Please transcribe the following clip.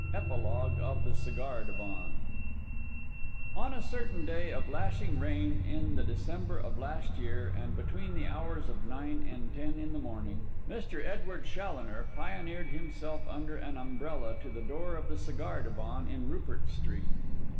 EPILOGUE OF THE CIGAR DIVAN On a certain day of lashing rain in the December of last year, and between the hours of nine and ten in the morning, Mr. Edward Challoner pioneered himself under an umbrella to the door of the Cigar Divan in Rupert Street.